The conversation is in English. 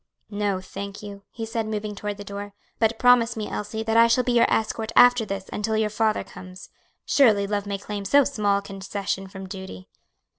"No, thank you," he said, moving toward the door. "But promise me, Elsie, that I shall be your escort after this until your father comes. Surely love may claim so small a concession from duty."